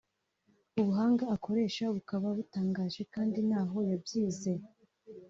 ubuhanga akoresha bukaba butangaje kandi ntaho yabyize